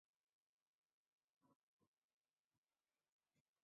同时围绕服务疫情防控工作大局提出了“一揽子”针对性举措